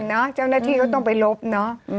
แต่ทำเนาะเจ้าหน้าที่ก็ต้องไปลบเนาะ